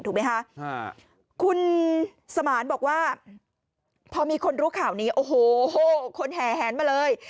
ถูกไหมคะคุณสมานบอกว่าพอมีคนรู้ข่าวนี้โอ้โหคนแห่แหนมาเลย